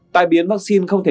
tài biến vắc xin không thể